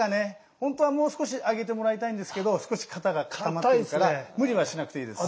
ほんとはもう少し上げてもらいたいんですけど少し肩が固まってるから無理はしなくていいです。